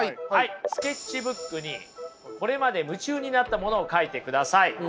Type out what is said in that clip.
スケッチブックにこれまで夢中になったものを書いてください。